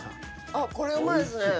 あっこれうまいですね。